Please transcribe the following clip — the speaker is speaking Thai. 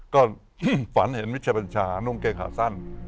ก็ฝันเห็นวิทยาปัญชานุ่มเกรกขาสั้น